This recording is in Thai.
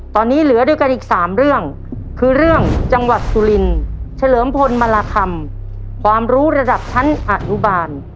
ตอนนี้เหลือด้วยกันอีก๓เรื่องคือเรื่องจังหวัดสุรินเฉลิมพลมาราคำความรู้ระดับชั้นอนุบาล